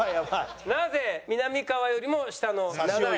なぜみなみかわよりも下の７位？